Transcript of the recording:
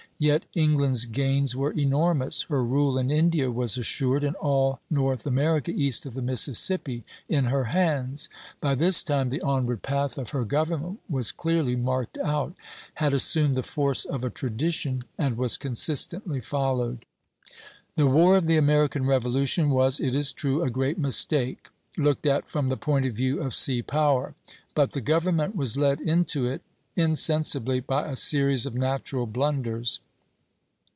Yet England's gains were enormous; her rule in India was assured, and all North America east of the Mississippi in her hands. By this time the onward path of her government was clearly marked out, had assumed the force of a tradition, and was consistently followed. The war of the American Revolution was, it is true, a great mistake, looked at from the point of view of sea power; but the government was led into it insensibly by a series of natural blunders.